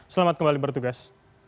selamat kembali bertugas